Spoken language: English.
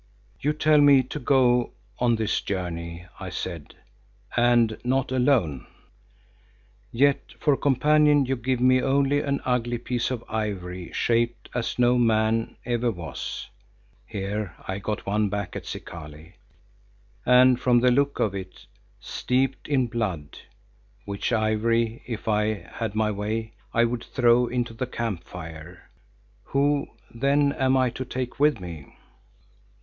"You tell me to go on this journey," I said, "and not alone. Yet for companion you give me only an ugly piece of ivory shaped as no man ever was," here I got one back at Zikali, "and from the look of it, steeped in blood, which ivory, if I had my way, I would throw into the camp fire. Who, then, am I to take with me?"